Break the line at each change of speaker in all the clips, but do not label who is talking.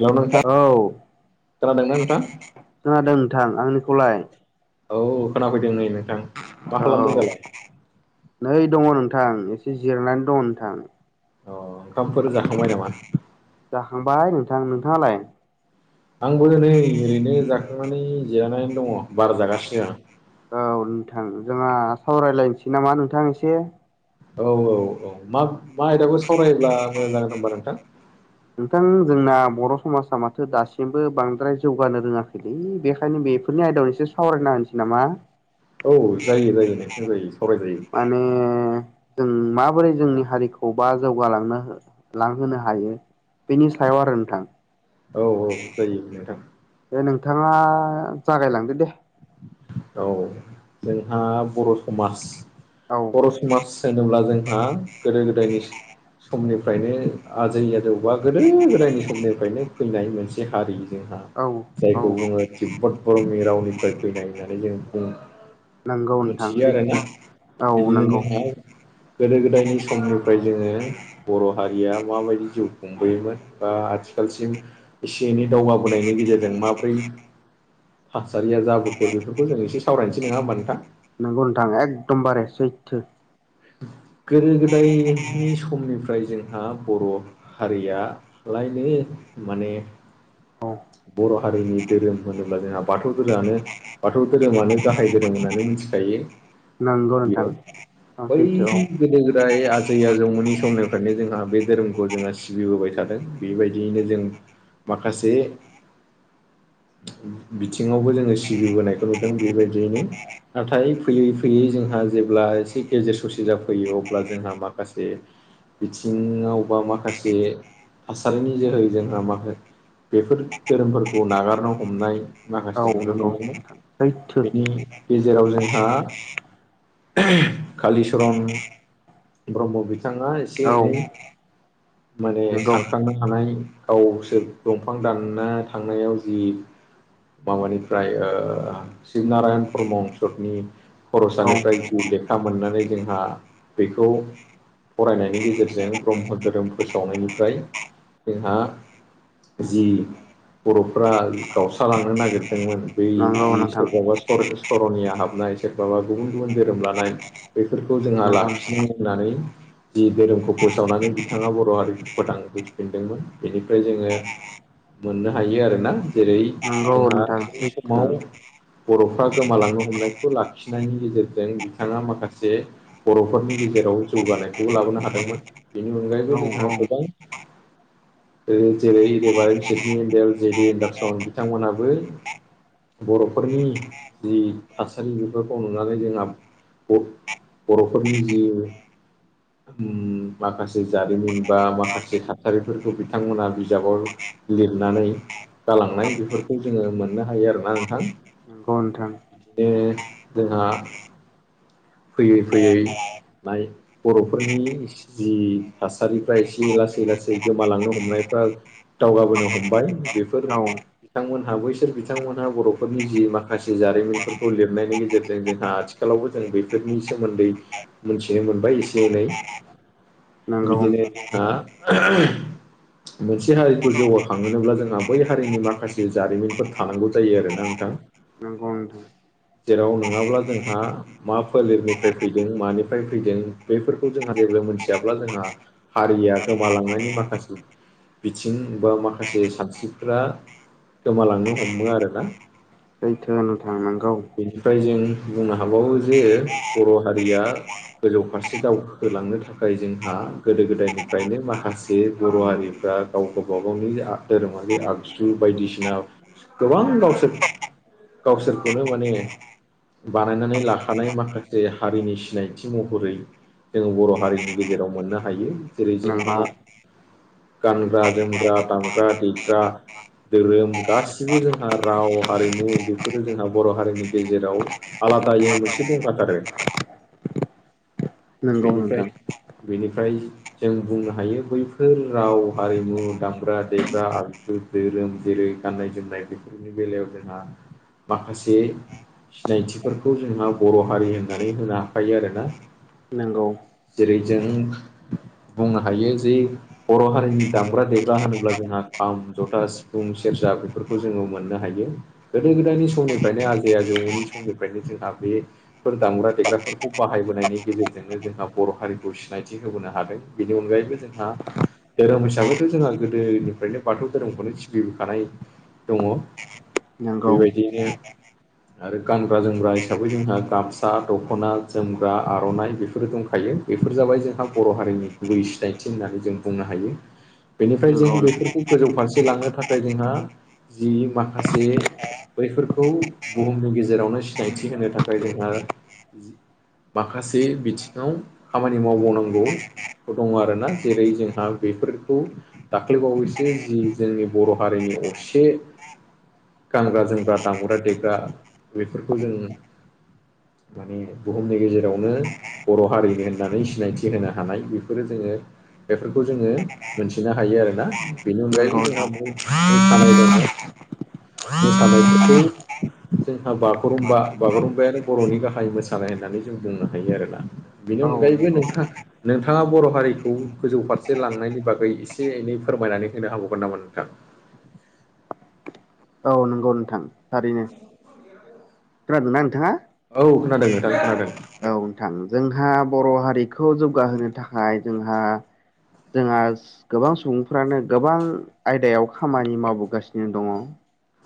Hello नोंथां
औ
खोनादोंना नोंथां
खोनादों नोंथां आंनिखौलाय
औ खोनाफैदों नै नोंथां मा खालामदों
औ
दालाय
नै दङ नोंथां एसे जिरनानै दङ नोंथां
अ ओंखामफोर जाखांबाय नामा?
जाखांबाय नोंथां नोंथाङालाय?
आंबो नै ओरैनो जाखांनानै जिरानानै दङ बार जागासिनो आं।
औ नोंथां जोंहा सावरायलायनोसै नामा नोंथां एसे
औ औ औ मा मा आयदाखौ सावरायोब्ला मोजां जागोन होनबा नोंथां?
नोंथां जोंना बर' समाजा माथो दासिमबो बांद्राय जौगानो रोङाखैलै बेखायनो बे बेफोरनि आयदायाव एसे सावरायना होनोसै नामा?
औ जायो जायो नोंथां जायो सावराय जायो।
माने जों माबोरै जोंनि हारिखौ बा जौगालांनो हो लांहोनो हायो बेनि सायाव आरो नोंथां।
औ औ जायो नोंथां
दे नोंथाङा जागायलांदो दे
औ जोंहा बर' समाज
औ
बर' समाज होनोब्ला जोंहा गोदो गोदायनि समनिफ्रायनो आजै आजौ बा गोदो गोदायनि समनिफ्रायनो फैनाय मोनसे हारि। जोंहा
औ
जायखौ
औ
बुङो तिब्बत बर'मि रावनिफ्राय फैनाय होननानै जों बुं
नंगौ नोंथां
मिथियो आरो ना
सैथो औ
बिदिनो
नंगौ
जोंहा गोदो गोदायनि समनिफ्राय जोङो बर' हारिया माबायदि जिउ खुंबोयोमोन बा आथिखालसिम इसे-एनै दावगाबोनायनि गेजेरजों माब्रै थासारिया जाबो दो बेफोरखौ जों एसे सावरायनोसै नङा होमबा नोंथां?
नोंगौ नोंथां एकदमबारे सैथो।
गोदो-गोदायनि समनिफ्राय जोंहा बर' हारिया लायनो माने।
औ
बर' हारिनि धोरोम होनोब्ला जोंहा बाथौ धोरोमानो। बाथौ धोरोमानो गाहाय धोरोम होननानै मिथिखायो।
नोंगौ नोंथां।
गिबियाव
औ
बै
सैथो औ
गोदो-गोदाय आज दैैया जौमोननि समनिफ्रायनो जोंहा बे धोरोमखौ जोंहा सिबिबोबाय थादों बेबायदियैनो जों। माखासे। बिथिङावबो जोङो सिबिबोनायखौ नुदों बेबायदियैनो‌। नाथाय फैयै फैयै जोंहा जेब्ला एसे गेजेर ससे जाफैयो अब्ला जोंहा माखासे बिथिङाव बा माखासे थासारिनि जोहै जोंहा माखा। बेफोर धोरोमफोरखौ नागारनो हमनाय। माखासे
औ
नुनो
नंगौ
मोनदोंमोन
नोंथां सैथो
बेनि। गेजेराव जोंहा। कालिचरन ब्रह्म बिथाङा एसे
औ
एनै। माने
नंगौ
सानखांना थानाय गावसोर दंफां दानना थांनायाव जि। माबानिफ्राय ओ शिबनारायण प्रमं सतनि।
औ
खर'सानिफ्राय जि लेखा मोननानै जोंहा बेखौ। फरायनायनि गेजेरजों ब्रह्म धोरोम फोसावनायनिफ्राय जोंहा। जि। बर'फ्रा गावस्रालांनो नागिरदोंमोन बै
नंगौ
जि
नोंथां
सोरबाबा। सरनिया हाबनाय सोरबाबा गुबुन-गुबुन धोरोम लानाय। बेफोरखौ जोंहा
नंगौ
लाखिनो होननानै। जि धोरोमखौ फोसावनानै बिथाङा बर' हारिखौ फोथां बजिफिनदोंमोन बेनिफ्राय जोङो। मोननो हायो आरोना जेरै
नंगौ
जोंहा
नोंथां
बै
सैथो
समाव। बर'फ्रा गोमालांनो हमनायखौ लाखिनायनि गेजेरजों बिथाङा माखा माखासे बर'फोरनि गेजेराव जौगानायखौबो लाबोनो हादोंमोन। बेनि अनगायैबो
औ
जोंहा
औ
गोबां। जेरै रेभार एन् Sidney Endle J D Anderson बिथांमोनहाबो। बर'फोरनि जि थासारि बेफोरखौ नुनानै जोंहा। बर'फोरनि जि। उम माखासे जारिमिन बा माखासे थासारिफोरखौ बिथांमोना बिजाबाव। लिरनानै गालांनाय बेफोरखौ जोङो मोननो हायो आरोना नोंथां।
नंगौ नोंथां।
दिनो जोंहा। फैयै फैयै माइ। बर'फोरनि जि थासारिफ्रा एसे लासै लासै गोमालांनो हमनायफ्रा। दावगाबोनो हमबाय बेफोर।
औ
बिथांमोनहा बैसोर बिथांमोनहा बर'फोरनि जि माखासे जारिमिनफोरखौ लिरनायनि गेजेरजों जोंहा आथिखालावबो। जों बेफोरनि सोमोन्दै मिथिनो मोनबाय एसे-एनै।
नंगौ
बिदिनो
नोंथां
जोंहा। मोनसे हारिखौ जौगाखांहोनोब्ला जोंहा बै हारिनि माखासे जारिमिनफोर थानांगौ जायो आरोना नोंथां?
नोंगौ।
जेराव नङाब्ला जोंहा। मा फोलेरनिफ्राय फैदों मानिफ्राय फैदों बेफोरखौ जोंहा जेबो मोनथियाब्ला जोंहा। हारिया गोमालांनायनि माखासे बिथिं बा माखासे सानस्रिफ्रा गोमालांनो हमो आरोना
सैथो नोंथां नंगौ
बेनिफ्राय जों बुंनो हाबावो जे बर' हारिया गोजौ फारसे दावखोहोलांनो थाखाय जोंहा गोदो गोदायनिफ्रायनो माखासे बर' हारिफ्रा गाव गावबा गावनि धोरोमारि आगजु बायदिसिना गोबां गावसोर गावसोरखौनो माने बानायनानै ला थानाय माखासे हारिनि सिनायथि महरै जोङो बर' हारिनि गेजेराव मोननो हायो जेरै
नंगौ
जोंहा गानग्रा जोमग्रा दामग्रा देग्रा धोरोम गासिबो जोंहा राव हारिमु बेफोरो जोंहा बर' हारिनि गेजेराव आलादायै मोनसे दंखाथारो
नंगौ
बेनिफ्राय
नोंथां
बेनिफ्राय जों बुंनो हायो बैफोर राव हारिमु दामग्रा देग्रा आगजु धोरोम जेरै गाननाय जोमनाय बेफोरनि बेलायाव जोंहा माखासे सिनायथिफोरखौ जोंहा बर' हारि होननानै होनो हाखायो आरोना
नंगौ
जेरै जों बुंनो हायो जे बर' हारिनि दामग्रा देग्रा होनोब्ला जोंहा खाम जथा सिफुं सेरजा बेफोरखौ जोङो मोननो हायो गोदो गोदायनि समनिफ्रायनो आजै आजौमोनि समनिफ्रायनो जोंहा बे फोर दामग्रा देग्राफोरखौ बाहायबोनायनि गेजेरजोंनो जोंहा बर' हारिखौ सिनायथि होबोनो हादों बेनि अनगायैबो जोंहा धोरोम हिसाबैथ' जोंहा गोदोनिफ्रायनो बाथौ धोरोमखौनो सिबिबोखानाय दङ
नंगौ
बेबायदियैनो आरो गानग्रा जोमग्रा हिसाबै जोंहा गामसा दख'ना जोमग्रा आर'नाइ बेफोरो दंखायो बेफोर जाबाय जोंहा बर' हारिनि गुबै सिनायथि होन्नानै जों बुंनो हायो बेनिफ्राय जों
नंगौ नोंथां
बेफोरखौ गोजौ फारसे लांनो थाखाय जोंहा जि माखासे बैफोरखौ बुहुमनि गेजेरावनो सिनायथि होनो थाखाय थाखाय जोंहा माखासे बिथिङाव खामानि मावबावनांगौ दङ आरोना जेरै जोंहा बेफोरखौ दाख्लैबावैसो जि जोंनि बर' हारिनि असे गानग्रा जोमग्रा दामग्रा देग्रा बेफोरखौ जों माने बुहुमनि गेजेरावनो बर' हारिनि होननानै सिनायथि होनो हानाय बेफोरो जोङो बेफोरखौ जोङो मोनथिनो हायो आरोना बेनि
नंगौ
अनगायैबो जोंहा
नोंथां
मोसानाय दङ मोसानायफोरखौ जोंहा बागुरुमबा बागुरुम ओमफ्राय आरो बर'नि गाहाय मोसानाय होननानै जों बुंनो हायो आरोना बेनि
औ
अनगायैबो
नंगौ
नोंथाङा नोंथाङा बर' हारिखौ गोजौ फारसे लांनायनि बागै एसे एनै फोरमायनानै होनो हाबावगोन नामा नोंथां
औ नोंगौ नोंथां थारैनो खोनादोंना नोंथाङा
औ खोनादों नोंथां खोनादों
औ नोंथां जोंहा बर' हारिखौ जौगाहोनो थाखाय जोंहा जोंहा गोबां सुबुंफ्रानो गोबां आयदायाव खामानि मावबोगासिनो दङ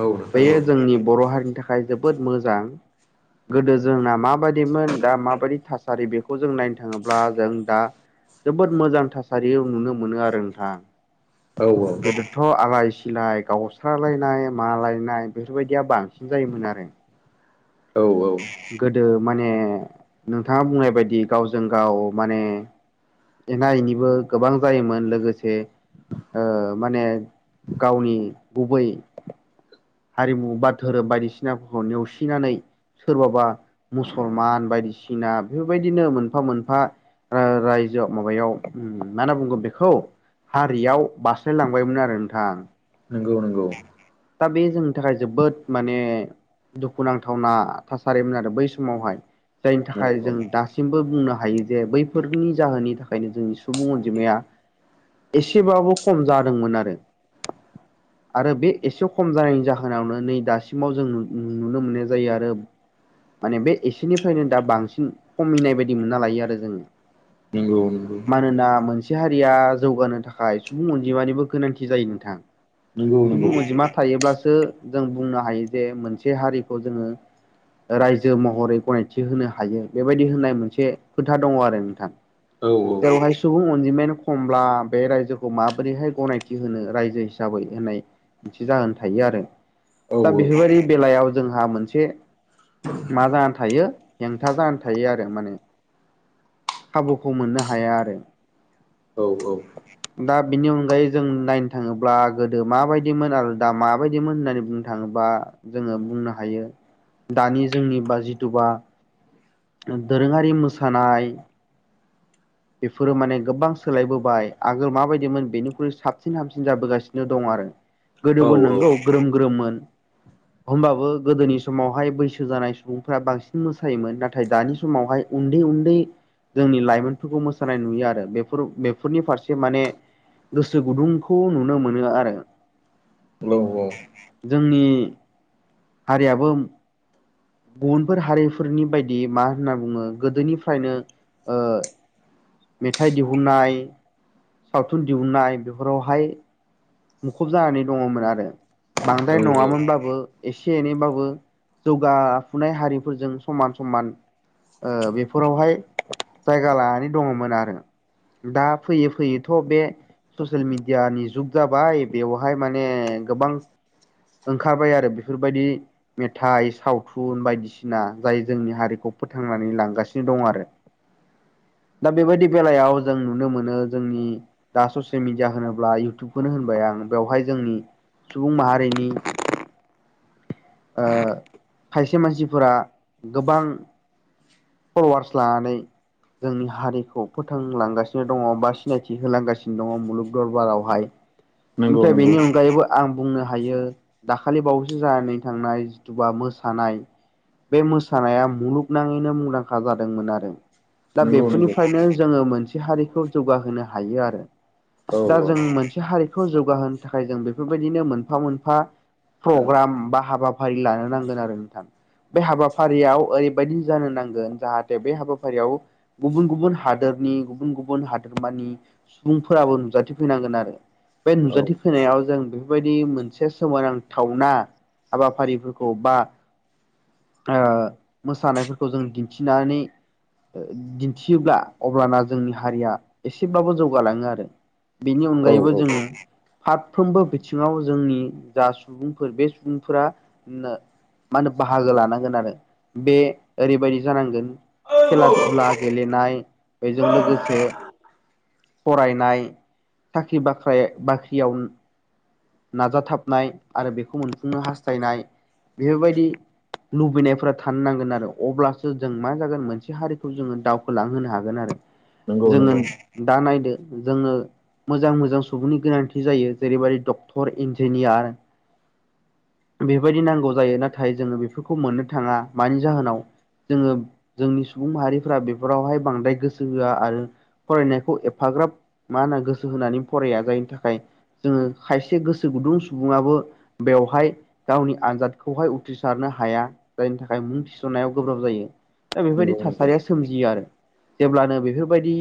औ नोंथां औ
बेयो जोंनि बर' हारिनि थाखाय जोबोद मोजां गोदो जोंना माबायदिमोन दा माबायदि थासारि बेखौ जों नायनो थाङोब्ला जों दा जोबोद मोजां थासारियाव नुनो मोनो आरो नोंथां
औ
गोदोथ' आलाय सिलाय गावस्रालायनाय मालायनाय नाय बेफोरबायदिया बांसिन जायोमोन आरो
औ औ
गोदो माने नोंथाङा बुंनाय बायदि गावजों गाव माने एना एनिबो गोबां जायोमोन लोगोसे माने गावनि गुबै हारिमु बा धोरोम बायदिसिनाफोरखौ नेवसिनानै सोरबाबा मुसलमान बायदिसिना बेफोरबायदिनो मोनफा मोनफा ओ रायजोआव माबायाव मा होनना बुंगोन बेखौ हारियाव बारास्लायलांबायमोन आरो नोंथां
नंगौ नंगौ
दा बे जोंनि थाखाय जोबोद माने दुखुनांथावना थासारिमोन आरो बै समावहाय जायनि
औ
थाखाय
औ
जों दासिम सिमबो बुंनो हायो जे बैफोरनि जाहोननि थाखायनो जोंनि सुबुं अनजिमाया एसेबाबो खम जादोंमोन आरो आरो बे एसे खम जानायनि जाहोनावनो नै दासिमाव जों नुनो मोननाय जायो आरो माने बे एसेनिफ्रायनो दा बांसिन खमिनाय बायदि मोनना लायो आरो जोङो।
नोंगौ नंगौ
मानोना मोनसे हारिया जौगानो थाखाय सुबुं अनजिमानिबो गोनांथि जायो नोंथां
नंगौ नंगौ
सुबुं अजिमा थायोब्लासो जों बुंनो हायो जे मोनसे हारिखौ जोङो रायजो महरै गनायथि होनो हायो बेबायदि होननाय मोनसे खोथा दङ आरो नोंथां
औ औ
जेरावहाय सुबुं अनजिमायानो खमब्ला बे रायजोखौ माबोरैहाय गनायथि होनो रायजो हिसाबै होननाय मोनसे जाहोन थायो आरो
औ
दा बेफोरबायदि बेलायाव जोंहा मोनसे मा जानानै थायो हेंथा जानानै थायो आरो माने खाबुखौ मोननो हाया आरो
औ औ
दा बिनि अनगायै जों नायनो थाङोब्ला गोदो माबायदि मोन आरो दा माबायदिमोन होननानै बुंनो थाङोबा जोङो बुंनो हायो। दानि जोंनि बा जिथुबा दोरोङारि मोसानाय
[unintelligible]
बेफोरो माने गोबां सोलायबोबाय आगोल माबायदिमोन बेनिख्रुइ साबसिन हामसिन जाबोगासिनो दं आरो।
औ
गोदोबो नोंगौ ग्रोम ग्रोममोन होमबाबो गोदोनि समावहाय बैसो जानाय सुबुंफ्रा बांसिन मोसायोमोन नाथाय दानि समावहाय उन्दै-उन्दै जोंनि लाइमोनफोरखौ मोसानाय नुयो आरो बेफोर बेफोरनि फारसे माने गोसो गुदुंखौ नुनो मोनो आरो।
औ औ औ
जोंनि हारियाबो गुबुनफोर हारिफोरनि बायदि मा होनना बुङो गोदोनिफ्रायनो मेथाइ दिहुननाय सावथुन दिहुननाय बेफोरावहाय मुखुब जानानै दङमोन आरो बांद्राय
नंगौ
नङामोनब्लाबो एसे एनैबाबो जौगाफुनाय हारिफोरजों समान-समान ओ बेफोरावहाय जायगा लानानै दङमोन आरो। दा फैयै फैयैथ' बे ससियेल मिडियानि जुग जाबाय बेवहाय माने गोबां ओंखारबाय आरो बेफोरबायदि मेथाइ, सावथुन बायदिसिना जाय जोंनि हारिखौ फोथांनानै लांगासिनो दं आरो।
[unintelligible]
दा बेबायदि बेलायाव जों नुनो मोनो जोंनि दा ससे मिडिया होनोब्ला इउटुब खौनो होनबाय आं बेवहाय जोंनि सुबुं माहारिनि ओ खायसे मानसिफोरा गोबां पल'वार्स लानानै जोंनि हारिखौ फोथांलांगासिनो दङ बा सिनायथि होलांगासिनो दङ मुलुग दरबारावहाय ओमफ्राय बेनि
नंगौ
अनगायैबो आं बुंनो हायो दाखालि बावैसो जानानै थांनाय जिथुबा मोसानाय बे मोसानाया मुलुगनाङैनो मुंदांखा जादोंमोन आरो दा
नंगौ नंगौ
बेफोरनिफ्रायनो जोङो मोनसे हारिखौ जौगाहोनो हायो आरो
औ
दा जों मोनसे हारिखौ जौगाहोनो थाखाय जों बेफोरबायदिनो मोनफा मोनफा प्रग्राम बा हाबा फारि लानो नांगोन आरो नोंथां। बे हाबाफारियाव ओरैबायदि जानो नांगोन जाहाथे बे हाबाफारियाव गुबुन गुबुन हादोरनि गुबुन गुबुन हादोरमानि सुबुंफोराबो नुजाथिफैनांगोन आरो बे
औ
नुजाथिफैनायाव जों बेफोरबायदि मोनसे सोमोनांथावना हाबाफारिफोरखौ बा ओ मोसानायफोरखौ जों दिन्थि [unintelligible] ओ दिन्थियोब्ला अब्लाना जोंनि हारिया एसेब्लाबो जौगालाङो आरो बेनि
औ
अनगायैबो जोङो फारफ्रोमबो बिथिङाव जोंनि जा सुबुंफोर बे सुबुंफोरा मा होनो बाहागो लानांगोन आरो बे ओरैबायदि जानांगोन खेला दुला गेलेनाय बेजों लोगोसे फरायनाय साख्रि बाख्रि बाखै-बाख्रियाव नाजाथाबनाय आरो बेखौ मोनफुंनो हास्थायनाय बेफोरबायदि लुबैनायफोरा थानो नांगोन आरो अब्लासो जों मा जागोन मोनसे हारिखौ जोङो दावखोलांहोनो हागोन आरो
नंगौ
जोङो
नंगौ
दा नायदो जोङो मोजां मोजां सुबुंनि गोनांथि जायो जेरैबायदि डक्टर इन्जिनियार बेबायदि नांगौ जायो नाथाय जोङो बेफोरखौ मोननो थाङा मानि जाहोनाव जोङो जोंनि सुबुं माहारिफोरा बेफोरावहाय बांद्राय गोसो होआ आरो फरायनायखौ एफाग्राब मा होनो गोसो होनानै फराया जायनि थाखाय जोङो खायसे गोसो गुदुं सुबुङाबो बेवहाय गावनि आनजादखौहाय उथ्रिसारनो हाया जायनि थाखाय मुं थिसननायाव गोब्राब जायो। दा बेफोरबायदि
नंगौ नंगौ
थासारिया सोमजियो आरो जेब्लानो बेफोरबायदि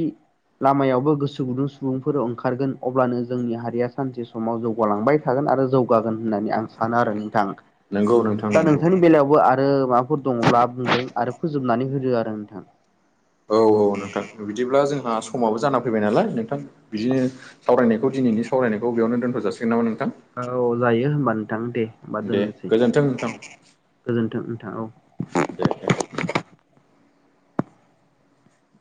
लामायावबो गोसो गुदुं सुबुंफोर ओंखारगोन अब्लानो जोंनि हारिया सानसे समाव जौगालांबाय थागोन आरो जौगागोन होननानै आं सानो आरो नोंथां।
नंगौ नोंथां
दा
नंगौ
नोंथांनि बेलायावबो आरो माबाफोर दङब्ला बुंदो आरो फोजोबनानै होदो आरो नोंथां।
औ औ नोंथां बिदिब्ला जोंहा समाबो जाना फैबाय नालाय नोंथां बिदिनो सावरायनायखौ दिनैनि सावरायनायखौ बेयावनो दोनथ' जाासिगोन नामा नोंथां?
औ जायो होमबा नोंथां दे होमबा
दे
दोननोसै
गोजोन्थों नोंथां
औ गोजोनथों नोंथां औ।
दे दे